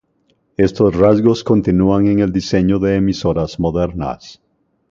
Estos rasgos continúan en el diseño de emisoras modernas.